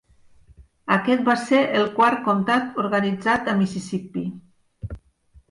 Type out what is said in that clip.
Aquest va ser el quart comtat organitzat a Mississipí.